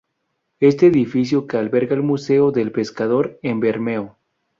Este edificio que alberga el museo del pescador en Bermeo.